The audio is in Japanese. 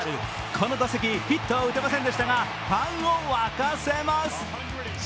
この打席、ヒットは打てませんでしたがファンを沸かせます。